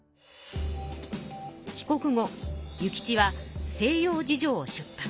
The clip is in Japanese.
帰国後諭吉は「西洋事情」を出版。